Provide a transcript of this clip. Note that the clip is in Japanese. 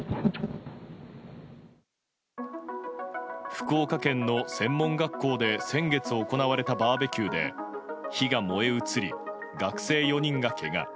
福岡県の専門学校で先月行われたバーベキューで火が燃え移り学生４人がけが。